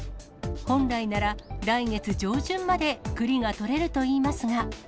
本来なら、来月上旬まで栗がとれるといいますが。